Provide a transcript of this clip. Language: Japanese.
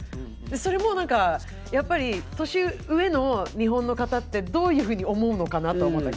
それもなんかやっぱり年上の日本の方ってどういうふうに思うのかなとは思った。